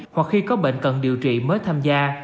hoặc khi có bệnh cần điều trị mới tham gia